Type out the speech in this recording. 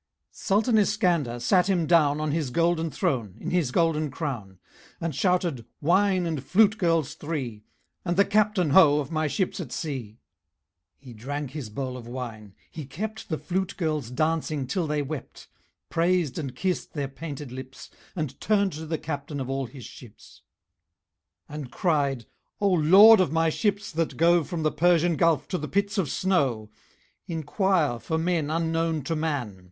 Sultan Iskander sat him down On his golden throne, in his golden crown, And shouted, "Wine and flute girls three, And the Captain, ho! of my ships at sea." He drank his bowl of wine; he kept The flute girls dancing till they wept, Praised and kissed their painted lips, And turned to the Captain of All his Ships And cried, "O Lord of my Ships that go From the Persian Gulf to the Pits of Snow, Inquire for men unknown to man!"